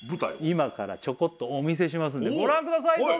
今からちょこっとお見せしますんでご覧ください！